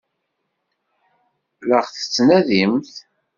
La ɣ-tettnadimt?